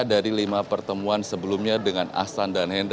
dari lima pertemuan sebelumnya dengan ahsan dan hendra